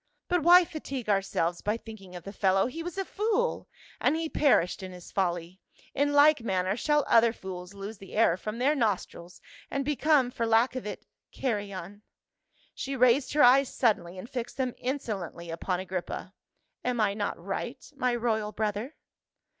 " But why fatigue ourselves by thinking of the fellow ; he was a fool, and he perished in his folly ; in like manner shall other fools lose the air from their nostrils and become for lack of it — carrion." She raised her eyes suddenly and fixed them insolently upon Agrippa. " Am I not right, my royal brother?"